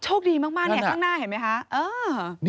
โชคดีมากเนี่ยข้างหน้าเห็นไหมคะ